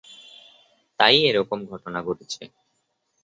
তাই এরকম ঘটনা ঘটেছে।